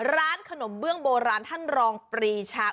ร้านขนมเบื้องโบราณท่านรองปรีชา